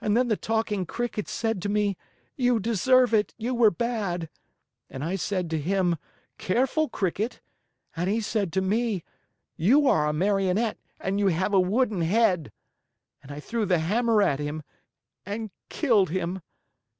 And then the Talking Cricket said to me, 'You deserve it; you were bad;' and I said to him, 'Careful, Cricket;' and he said to me, 'You are a Marionette and you have a wooden head;' and I threw the hammer at him and killed him.